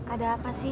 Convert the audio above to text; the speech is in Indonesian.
ada apa sih